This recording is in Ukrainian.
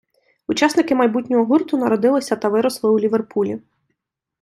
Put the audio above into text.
Учасники майбутнього гурту народилися та виросли у Ліверпулі.